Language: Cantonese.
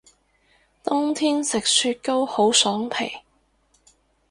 冬天食雪糕好爽皮